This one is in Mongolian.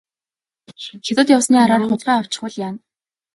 Хятад явсны араар хулгай авчихвал яана.